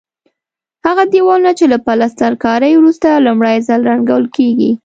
هغه دېوالونه چې له پلسترکارۍ وروسته لومړی ځل رنګول کېږي.